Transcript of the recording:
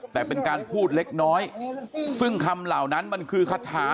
แต่เป็นการพูดเล็กน้อยซึ่งคำเหล่านั้นมันคือคาถา